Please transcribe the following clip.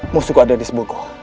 musuhku ada di sebuah gua